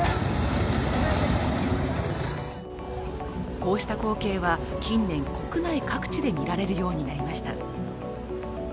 こうした光景は、近年、国内各地で見られるようになりました。